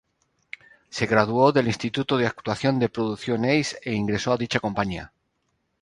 Se graduó del Instituto de Actuación de Production Ace e ingresó a dicha compañía.